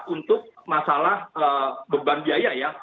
untuk masalah beban biaya ya